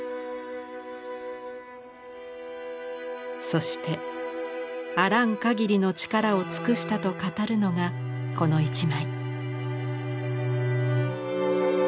そして「あらんかぎりの力を尽くした」と語るのがこの一枚。